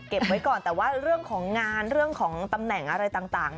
ไว้ก่อนแต่ว่าเรื่องของงานเรื่องของตำแหน่งอะไรต่าง